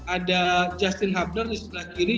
ada justin hubner di setengah kiri